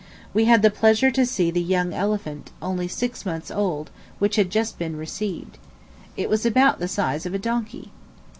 We had the pleasure to see the young elephant, only six months old, which had just been received. It was about the size of a donkey.